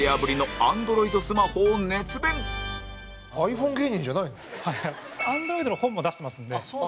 アンドロイドの本も出してますんで。